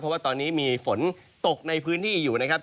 เพราะว่าตอนนี้มีฝนตกในพื้นที่อยู่นะครับ